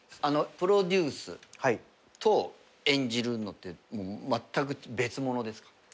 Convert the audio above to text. プロデュースと演じるのってまったく別物ですか？